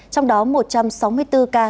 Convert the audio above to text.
trong đó một trăm sáu mươi bốn ca